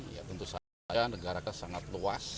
ya tentu saja negara kan sangat luas